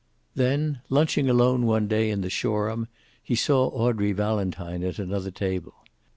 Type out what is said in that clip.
Then, lunching alone one day in the Shoreham, he saw Audrey Valentine at another table.